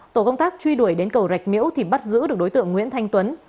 tổ công tác truy đuổi đến cầu rạch miễu thì bắt giữ được đối tượng nguyễn thanh tuấn